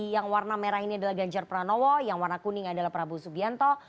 yang warna merah ini adalah ganjar pranowo yang warna kuning adalah prabowo subianto